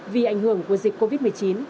vì ảnh hưởng của dịch covid một mươi chín